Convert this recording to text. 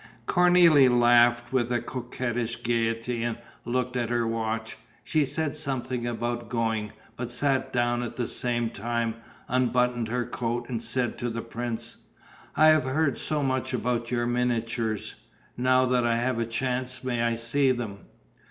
Cornélie laughed with coquettish gaiety and looked at her watch. She said something about going, but sat down at the same time, unbuttoned her coat and said to the prince: "I have heard so much about your miniatures. Now that I have the chance, may I see them?"